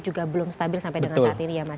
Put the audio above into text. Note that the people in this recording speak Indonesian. juga belum stabil sampai dengan saat ini ya mas